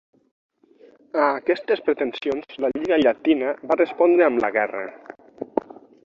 A aquestes pretensions la lliga llatina va respondre amb la guerra.